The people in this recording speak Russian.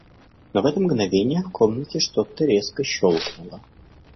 Но в это мгновение в комнате что-то резко щелкнуло.